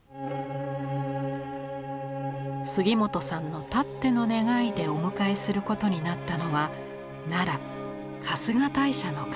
杉本さんのたっての願いでお迎えすることになったのは奈良春日大社の神。